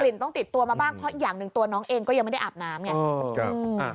ต้องติดตัวมาบ้างเพราะอีกอย่างหนึ่งตัวน้องเองก็ยังไม่ได้อาบน้ำไง